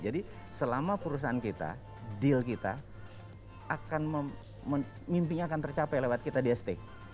jadi selama perusahaan kita deal kita mimpinya akan tercapai lewat kita di st